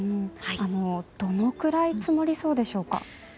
どのくらい積もりそうでしょうか？